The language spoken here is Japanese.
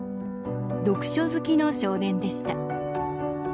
読書好きの少年でした。